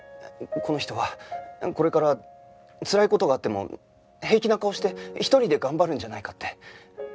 この人はこれからつらい事があっても平気な顔して独りで頑張るんじゃないかって。